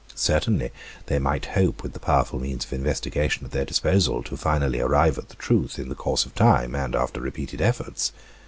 Certainly, they might hope with the powerful means of investigation at their disposal to finally arrive at the truth in the course of time, and after repeated efforts.